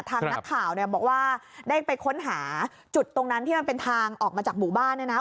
ทางนักข่าวเนี่ยบอกว่าได้ไปค้นหาจุดตรงนั้นที่มันเป็นทางออกมาจากหมู่บ้านเนี่ยนะ